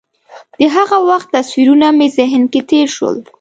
د هغه وخت تصویرونه مې ذهن کې تېر شول.